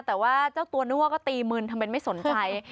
แต่ว่าเจ้าตัวนั่วก็ตีมึนทำเป็นไม่สนใจ